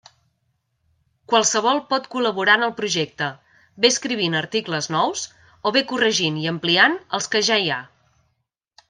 Qualsevol pot col·laborar en el projecte, bé escrivint articles nous, o bé corregint i ampliant els que ja hi ha.